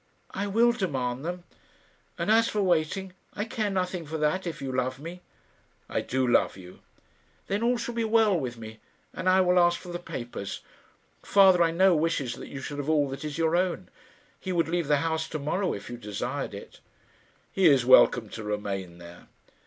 "I will demand them. And as for waiting, I care nothing for that if you love me." "I do love you." "Then all shall be well with me; and I will ask for the papers. Father, I know, wishes that you should have all that is your own. He would leave the house to morrow if you desired it." "He is welcome to remain there."